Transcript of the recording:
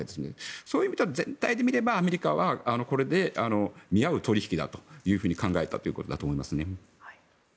そういう意味で言うと全体で見ればアメリカはこれで見合う取引だと考えたということだと思いますね。